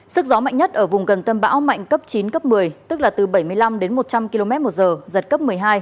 sức gió mạnh nhất ở vùng gần tâm bão mạnh cấp chín cấp một mươi tức là từ bảy mươi năm đến một trăm linh km một giờ giật cấp một mươi hai